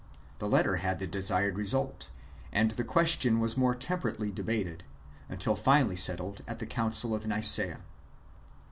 This letter had the desired result ; and the question was more temperately debated, until finally settled by the Council of Nice.